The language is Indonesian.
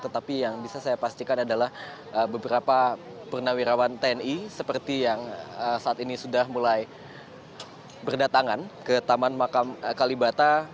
tetapi yang bisa saya pastikan adalah beberapa purnawirawan tni seperti yang saat ini sudah mulai berdatangan ke taman makam kalibata